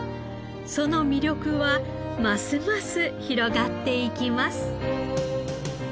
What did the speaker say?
その魅力はますます広がっていきます。